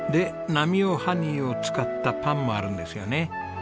ＨＯＮＥＹを使ったパンもあるんですよね？